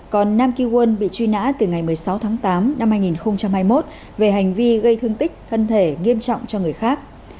còn nam kỳ won bị truy nã từ ngày một mươi sáu tháng tám năm hai nghìn hai mươi một về hành vi gây thương tích thân thể nghiêm trọng cho người khác